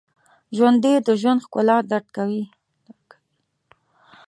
ژوندي د ژوند ښکلا درک کوي